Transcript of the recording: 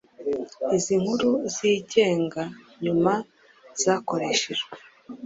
Izi nkuru zigenga nyuma zakoreshejwe